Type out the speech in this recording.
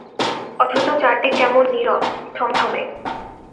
অথচ চারদিক কেমন নীরব, থমথমে।